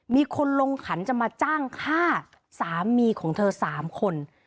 มีคนลงขันจะมาจ้างฆ่าสามีของเธอ๓คน